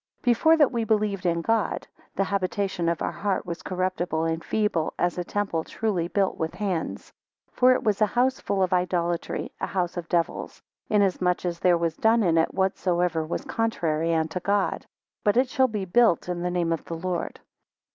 18 Before that we believed in God, the habitation of our heart was corruptible, and feeble, as a temple truly built with hands. 19 For it was a house full of idolatry, a house of devils; inasmuch as there was done in it whatsoever was contrary unto God. But it shall be built in the name of the Lord.